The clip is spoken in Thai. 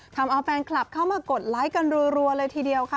ทำเอาแฟนคลับเข้ามากดไลค์กันรัวเลยทีเดียวค่ะ